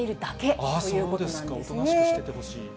ただ、おとなしくしててほしい。